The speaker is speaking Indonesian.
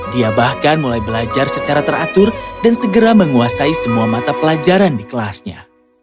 dia bahkan mulai belajar secara teratur dan segera menguasai semua mata pelajaran di kelasnya